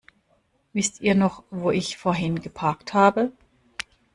Wisst ihr noch, wo ich vorhin geparkt habe?